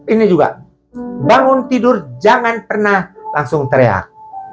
ini juga bangun tidur jangan pernah langsung teriak